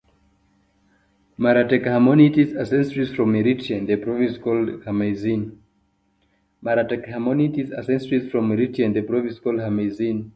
Mara Teklehaimanot's ancestry is from Eritrea, in the province called Hamasien.